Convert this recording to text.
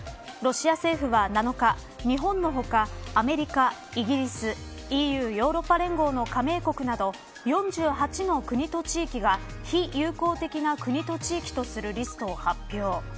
ロシア政府は７日日本の他、アメリカ、イギリスＥＵヨーロッパ連合の加盟国など４８の国と地域が非友好的な国と地域とするリストを発表。